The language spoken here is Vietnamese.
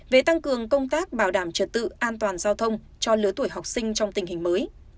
về tăng cường công tác bảo đảm trật tự an toàn giao thông cho lứa tuổi học sinh trong tình hình mới